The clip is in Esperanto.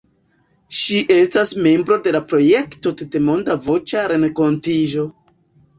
Ŝi estas membro de la projekto "Tutmonda Voĉa Renkontiĝo".